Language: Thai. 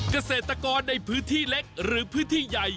เกษตรกรในพื้นที่เล็กหรือพื้นที่ใหญ่